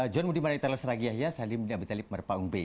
john moody marek talos ragiyahya salim ndi abitalip merpau mbe